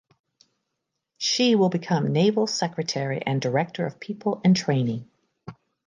She will become Naval Secretary and director of people and training.